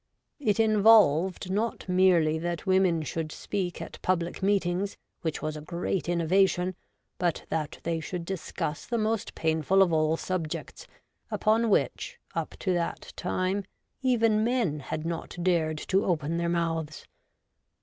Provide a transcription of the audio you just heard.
It involved not merely that women should speak at public meetings, which was a great innovation, but that they should discuss the most painful of all subjects, upon which, up to that time, even men had not WOMAN IN SOCIAL POLITY. 57 dared to open their mouths.